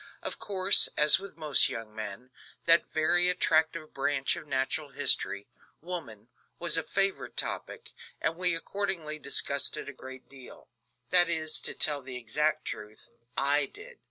Of course, as with most young men, that very attractive branch of natural history, woman, was a favorite topic, and we accordingly discussed it a great deal; that is, to tell the exact truth, I did.